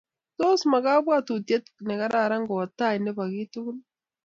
tos ma kabwotutye nekararan kowo tai nebo kiy tugul?